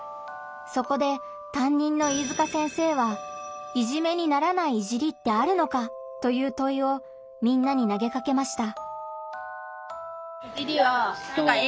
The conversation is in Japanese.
そこでたんにんの飯塚先生は「“いじめ”にならない“いじり”ってあるのか？」というといをみんなに投げかけました。